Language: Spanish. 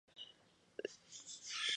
Leyó a Schopenhauer y a Freud.